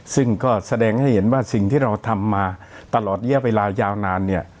ซึ่งก็แสดงให้เห็นว่าสิ่งที่เราทำมาตลอดระยะเวลายาวนานเนี่ย